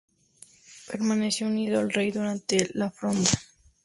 Permaneció unido al rey durante la Fronda.